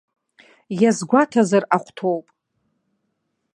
Иазгәаҭазар ахәҭоуп.